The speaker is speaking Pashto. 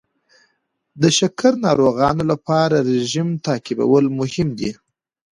د شکر ناروغانو لپاره رژیم تعقیبول مهم دي.